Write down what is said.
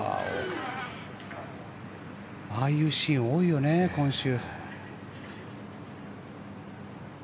ああいうシーン多いよね、今週。